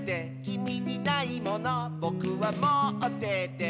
「きみにないものぼくはもってて」